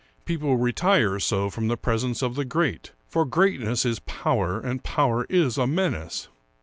People retire so from the presence of the great, for greatness is power, and power is a menace.